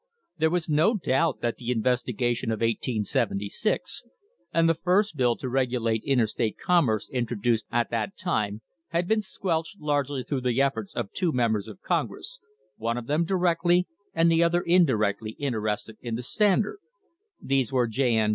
There was no doubt that the investigation of 1876 and the first bill to regulate in terstate commerce introduced at that time had been squelched largely through the efforts of two members of Congress, one of them directly and the other indirectly interested in the Standard these were J. N.